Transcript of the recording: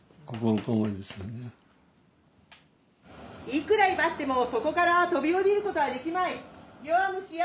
「いくら威張ってもそこから飛び降りることはできまい」。